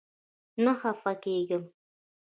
نه خپه کيږم